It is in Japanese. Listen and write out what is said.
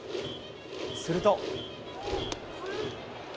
すると。